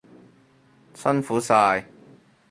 辛苦晒！